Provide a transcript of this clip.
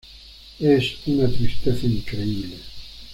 Es una tristeza increíble"".